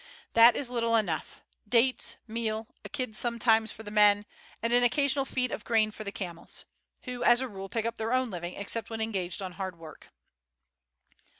That is little enough: dates, meal, a kid sometimes for the men, and an occasional feed of grain for the camels, who as a rule pick up their own living except when engaged on hard work."